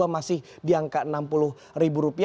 masih di angka rp enam puluh